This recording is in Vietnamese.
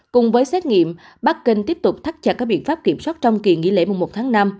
cùng với xét nghiệm bắc kinh tiếp tục thắt chặt các biện pháp kiểm soát trong kỳ nghỉ lễ mùa một tháng năm